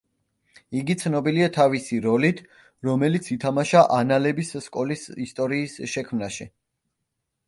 იგი ცნობილია თავისი როლით, რომელიც ითამაშა ანალების სკოლის ისტორიის შექმნაში.